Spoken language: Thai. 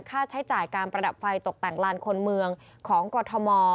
ค่าใช้จ่ายการประดับไฟตกแต่งลานคนเมืองของกรทม